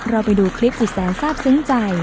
เราไปดูคลิป๑๐แสนทราบซึ้งใจ